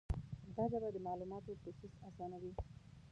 دا ژبه د معلوماتو پروسس آسانوي.